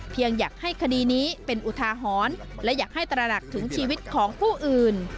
อยากให้คดีนี้เป็นอุทาหรณ์และอยากให้ตระหนักถึงชีวิตของผู้อื่น